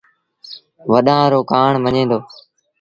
وڏآݩ رو ڪهآڻ مڃي دو